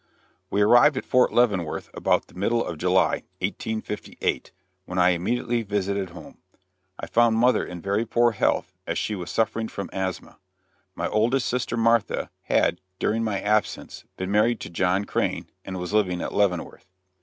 We arrived at Fort Leavenworth about the middle of July, 1858, when I immediately visited home. I found mother in very poor health, as she was suffering from asthma. My oldest sister, Martha, had, during my absence, been married to John Crane, and was living at Leavenworth.